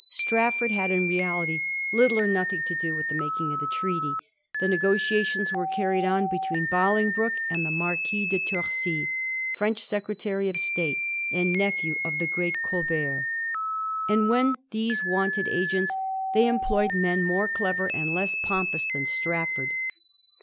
Strafford lad, in reality, little or nothing to do with the making of the Treaty. The negotiations were carried on between Bolingbroke and the Marquis de Torcy, French Secretary of State and nephew of the great Colbert ; and when these wanted agents they employed men more clever and less pompous than Strafford.